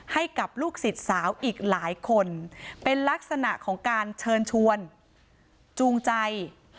ให้กับลูกศิษย์สาวอีกหลายคนเป็นลักษณะของการเชิญชวนจูงใจ